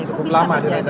ya cukup lama direncanakan